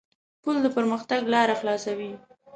پُل د پرمختګ لاره خلاصوي.